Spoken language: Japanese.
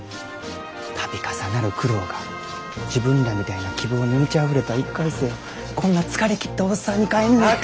度重なる苦労が自分らみたいな希望に満ちあふれた１回生をこんな疲れ切ったおっさんに変えんねん。